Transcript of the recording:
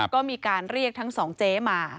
ก็มีการเรียกทั้งสองเจ๊มา